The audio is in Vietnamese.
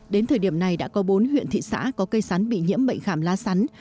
đến thời điểm này đã có bốn huyện thị xã có cây sắn bị nhiễm bệnh khảm lá sắn